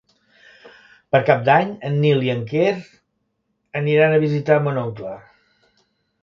Per Cap d'Any en Nil i en Quer aniran a visitar mon oncle.